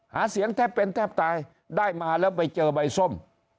หาเสียงแทบเป็นแทบตายได้มาแล้วไปเจอใบส้ม